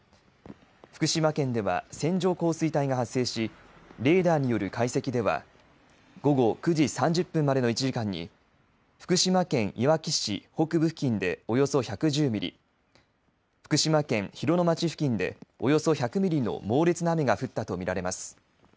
福島県では線状降水帯が発生しレーダーによる解析では午後９時３０分までの１時間に福島県いわき市北部付近でおよそ１１０ミリ福島県広野町付近でおよそ１００ミリの猛烈な雨が降ったと見られます。